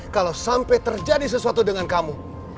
kalau sampai terjadi sesuatu dengan kamu